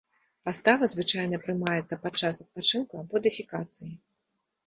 Пастава звычайна прымаецца падчас адпачынку або дэфекацыі.